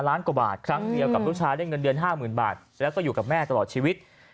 ล้านกว่าบาทครั้งเดียวกับลูกชายได้เงินเดือน๕๐๐๐บาทแล้วก็อยู่กับแม่ตลอดชีวิต